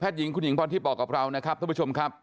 หญิงคุณหญิงพรทิพย์บอกกับเรานะครับท่านผู้ชมครับ